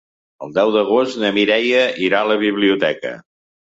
El deu d'agost na Mireia irà a la biblioteca.